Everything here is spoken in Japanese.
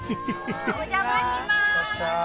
お邪魔します。